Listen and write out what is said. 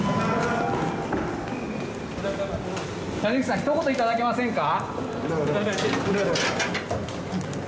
谷口さんひと言いただけませんか？